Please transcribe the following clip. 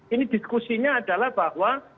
ini diskusinya adalah bahwa